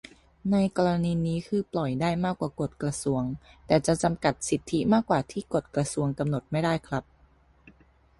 ในกรณีนี้คือปล่อยได้มากกว่ากฎกระทรวง แต่จะจำกัดสิทธิมากกว่าที่กฎกระทรวงกำหนดไม่ได้ครับ